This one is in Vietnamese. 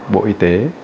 bộ y tế